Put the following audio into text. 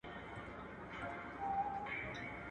يوې خواته پاڼ دئ، بلي خواته پړانگ دئ.